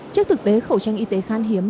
trước thực tế khẩu trang y tế khan hiếm